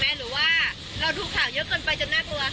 หรือว่าเราดูข่าวเยอะเกินไปจนแน่ตัว